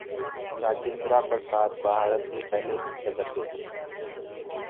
راجندرہ پرساد بھارت کے پہلے صدر تھے.